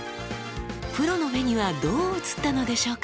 プロの目にはどう映ったのでしょうか？